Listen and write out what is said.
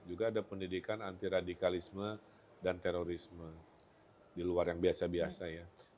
juga ada pendidikan anti radikalisme dan terorisme di luar yang biasa biasa ya